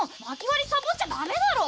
薪割りサボっちゃダメだろ。